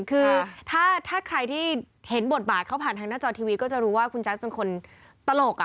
คือถ้าใครที่เห็นบทบาทเขาผ่านทางหน้าจอทีวีก็จะรู้ว่าคุณแจ๊สเป็นคนตลก